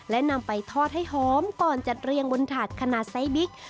และนำไปทอดให้หอมก่อนจัดเรียงบนถาดขนาดไซส์บิ๊ก